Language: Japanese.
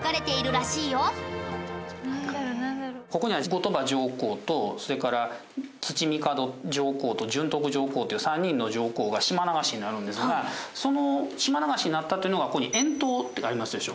ここには後鳥羽上皇とそれから土御門上皇と順徳上皇という３人の上皇が島流しになるんですがその島流しになったというのがここに「遠嶋」ってありますでしょ。